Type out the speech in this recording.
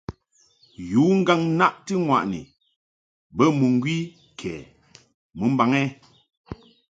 Yu ŋgàŋ-naʼti-ŋwàʼni bə mɨŋgwi kɛ mɨmbaŋ ɛ ?